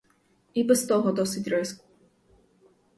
І без того досить риску.